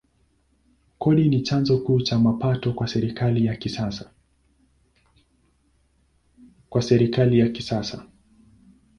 Kodi ni chanzo kuu cha mapato kwa serikali ya kisasa.